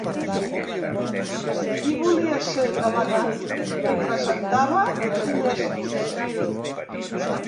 Qui volia ser delegat, s'hi presentava i llestos.